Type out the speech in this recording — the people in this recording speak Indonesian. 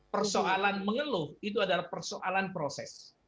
persoalan mengeluh itu adalah persoalan proses